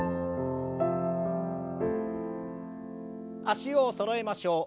脚をそろえましょう。